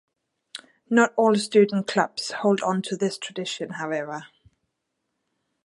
Not all student clubs hold on to this tradition, however.